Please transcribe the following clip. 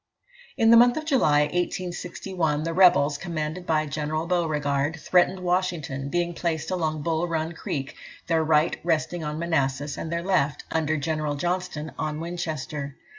In the month of July, 1861, the rebels, commanded by General Beauregard, threatened Washington, being placed along Bull Run Creek, their right resting on Manassas, and their left, under General Johnston, on Winchester.